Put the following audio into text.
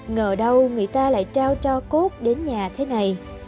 ngờ đâu người ta lại trao cho cốt đến nhà thế này